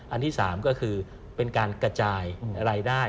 อันที่๓ก็คือเป็นการกระจายรายได้